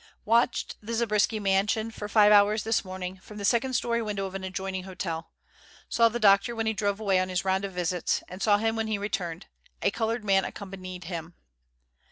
Watched the Zabriskie mansion for five hours this morning, from the second story window of an adjoining hotel. Saw the doctor when he drove away on his round of visits, and saw him when he returned. A coloured man accompanied him.